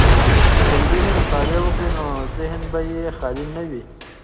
که نجونې مطالعه وکړي نو ذهن به یې خالي نه وي.